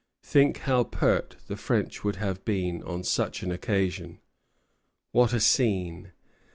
Think how pert the French would have been on such an occasion! What a scene!